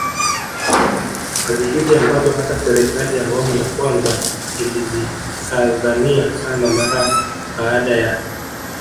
Kazi hizi ambazo hata serikali ya awamu ya kwanza ilizikazania sana mara baada ya